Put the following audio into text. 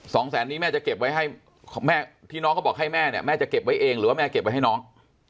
สองแสนนี้แม่จะเก็บไว้ให้แม่ที่น้องเขาบอกให้แม่เนี่ยแม่จะเก็บไว้เองหรือว่าแม่เก็บไว้ให้น้อง